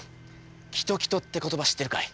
「きときと」って言葉知ってるかい？